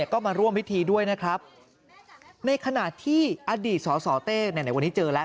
ก็มาร่วมพิธีด้วยนะครับในขณะที่อดีตสสเต้ในวันนี้เจอแล้ว